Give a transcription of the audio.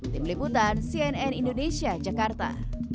tim liputan cnn indonesia jakarta